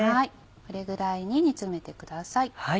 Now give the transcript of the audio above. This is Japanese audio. これぐらいに煮詰めてください。